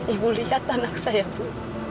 ibu lihat anak saya bu